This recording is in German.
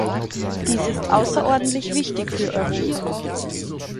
Dies ist außerordentlich wichtig für Europa.